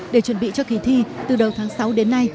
để chuẩn bị cho kỳ thi từ đầu tháng sáu đến nay